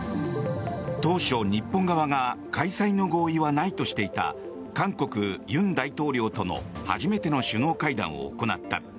当初、日本側が開催の合意はないとしていた韓国、尹大統領との初めての首脳会談を行った。